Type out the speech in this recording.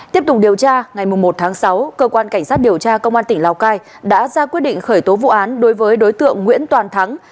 tiếp tục điều tra ngày một tháng sáu cơ quan cảnh sát điều tra công an tỉnh lào cai đã ra quyết định khởi tố vụ án đối với đối tượng nguyễn toàn thắng